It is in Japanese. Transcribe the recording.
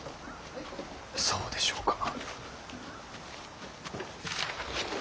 そうでしょうか。